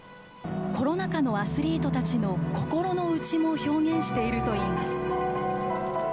コロナ禍のアスリートたちの心の内も表現しているといいます。